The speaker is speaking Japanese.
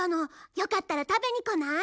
よかったら食べに来ない？